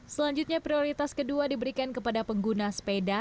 selanjutnya prioritas kedua diberikan kepada pengguna sepeda